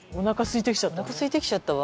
おなかすいてきちゃったわね。